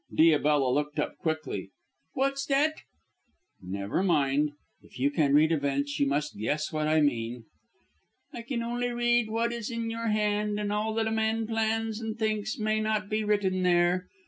Diabella looked up quickly. "What's that?" "Never mind. If you can read events you must guess what I mean." "I can only read what is in your hand, and all that a man plans and thinks may not be written there.